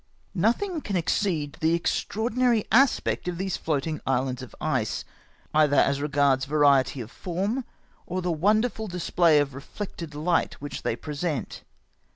Nothing can exceed the extraorchnary aspect of these floatmg islands of ice, either as regards variety of form, or the wonderful display of reflected light wliich they present.